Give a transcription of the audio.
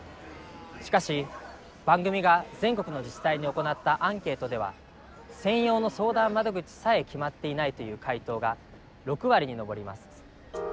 しかし番組が全国の自治体に行ったアンケートでは専用の相談窓口さえ決まっていないという回答が６割に上ります。